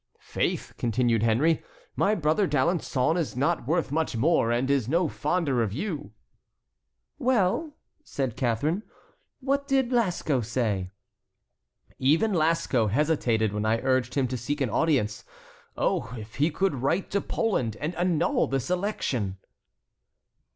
"Faith," continued Henry, "my brother D'Alençon is not worth much more, and is no fonder of you." "Well," said Catharine, "what did Lasco say?" "Even Lasco hesitated when I urged him to seek an audience. Oh, if he could write to Poland and annul this election!"